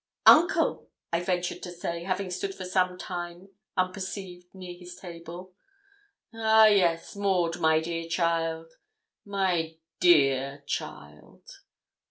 'Uncle!' I ventured to say, having stood for some time unperceived near his table. 'Ah, yes, Maud, my dear child my dear child.'